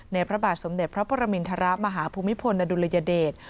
พระบาทสมเด็จพระปรมินทรมาฮภูมิพลอดุลยเดช